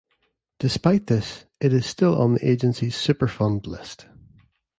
Despite this, it is still on the Agency's Superfund list.